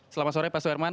selamat sore pak su herman